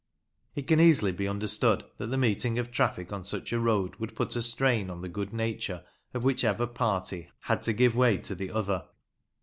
It can easily be understood that the meeting of traffic on such a road would put a strain on the good nature of whichever party had to give way to the other.